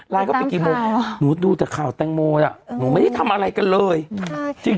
เข้าไปกี่โมงหนูดูแต่ข่าวแตงโมน่ะหนูไม่ได้ทำอะไรกันเลยจริง